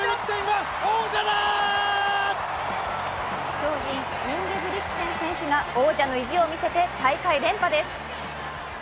超人・インゲブリクセン選手が王者の意地を見せて大会連覇です。